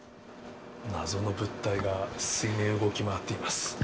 謎の物体が水面を動き回っています。